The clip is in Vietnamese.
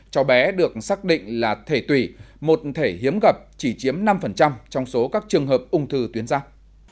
cho bé được xác định là thể tủy một thể hiếm gập chỉ chiếm năm trong số các trường hợp ung thư tuyến giáp